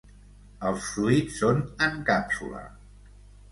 Els fruits són en càpsula.